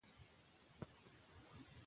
او ستا پت مي په مالت کي دی ساتلی